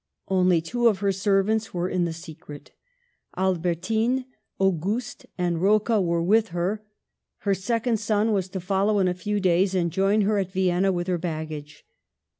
Only two of her servants were in .the secret. Albertine, Auguste and Rocca were with her ; her second son was to follow in a few days, and join her at Vienna with her bag gage.